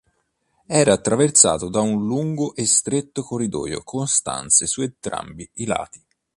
Era attraversato da un lungo e stretto corridoio con stanze su entrambi i lati.